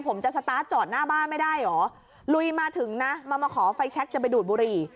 ผมจะสตาร์ทจอดหน้าบ้านไม่ได้เหรอลุยมาถึงนะมามาขอไฟแชคจะไปดูดบุหรี่